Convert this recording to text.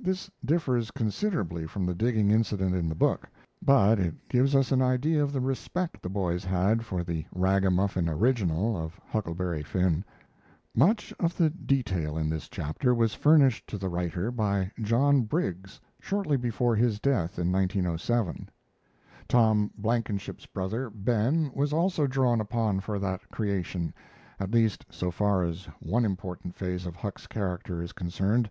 This differs considerably from the digging incident in the book, but it gives us an idea of the respect the boys had for the ragamuffin original of Huckleberry Finn. [Much of the detail in this chapter was furnished to the writer by John Briggs shortly before his death in 1907.] Tom Blankenship's brother, Ben, was also drawn upon for that creation, at least so far as one important phase of Huck's character is concerned.